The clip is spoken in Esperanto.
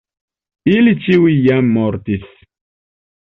Ili ĉiuj jam mortis.